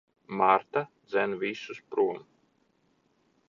Marta dzen visus prom.